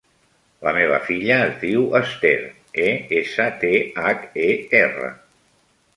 La meva filla es diu Esther: e, essa, te, hac, e, erra.